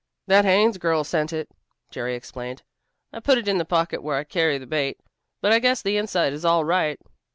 "That Haines girl sent it," Jerry explained. "I put it in the pocket where I carry the bait, but I guess the inside is all right."